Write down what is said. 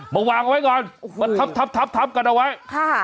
มาวางเอาไว้ก่อนมาทับทับกันเอาไว้ค่ะ